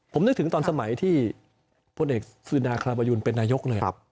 ผมนึกถึงตอนสมัยที่พลเอกสุนาคราบยูนเป็นนายกเลย